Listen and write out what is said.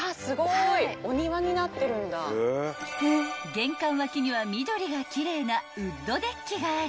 ［玄関脇には緑が奇麗なウッドデッキがあり］